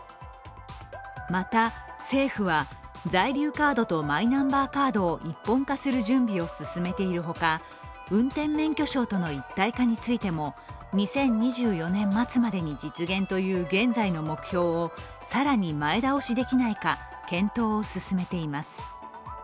また政府は在留カードとマイナンバーカードを一本化する準備を進めているほか運転免許証との一体化についても２０２４年末までに実現という現在の目標を更に前倒しできないか検討を進めています。